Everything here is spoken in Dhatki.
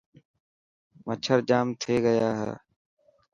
مڇر جام ٿي گيا هي.